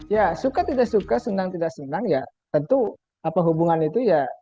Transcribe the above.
ya suka tidak suka senang tidak senang ya tentu apa hubungan itu ya